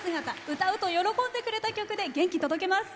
歌うと喜んでくれた曲で元気を届けます。